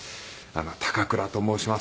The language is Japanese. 「高倉と申します。